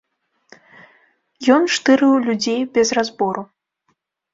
Ён штырыў людзей без разбору.